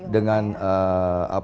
dengan terjun payung